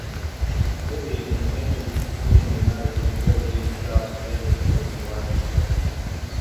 Libby continues seeing Mike until he starts dating his wife again.